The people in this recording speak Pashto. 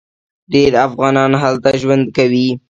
ډیر افغانان هلته ژوند کوي.